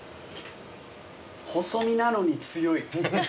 細身なのに強い。